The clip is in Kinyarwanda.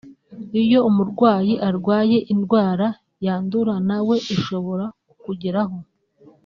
Iyo umurwayi arwaye indwara yandura nawe ishobora kukugeraho